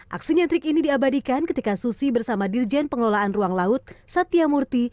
aksi nyentrik ini diabadikan ketika susi bersama dirjen pengelolaan ruang laut satya murti